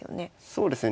そうですね